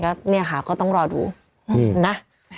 ก็เนี่ยค่ะก็ต้องรอดูนะ